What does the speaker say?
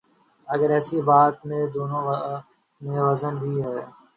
اگر ایسی بات میں وزن بھی ہے۔